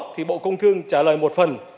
thì bộ công thương trả lời một phần